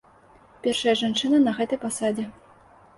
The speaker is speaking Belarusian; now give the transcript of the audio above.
Першая жанчына на гэтай пасадзе.